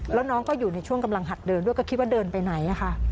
แล้วน้องก็อยู่ในช่วงกำลังหัดเดินด้วยก็คิดว่าเดินไปไหน